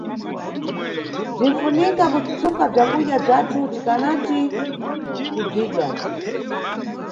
Bzinʼfunika kutsuka bzakudya bzathu tikanati kubzidya.